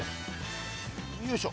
よいしょ。